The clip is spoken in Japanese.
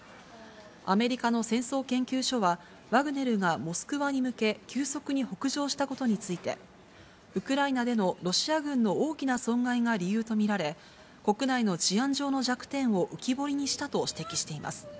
アメリカの戦争研究所は、ワグネルがモスクワに向け、急速に北上したことについて、ウクライナでのロシア軍の大きな損害が理由と見られ、国内の治安上の弱点を浮き彫りにしたと指摘しています。